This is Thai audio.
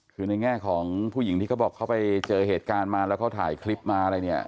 คือในแง่ของผู้หญิงที่เขาบอกเขาไปเจอเหตุการณ์มาแล้วเขาถ่ายคลิปมาอะไรเนี่ย